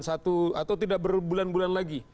satu atau tidak berbulan bulan lagi